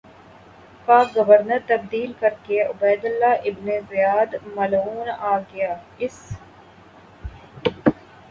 کا گورنر تبدیل کرکے عبیداللہ ابن زیاد ملعون آگیا اس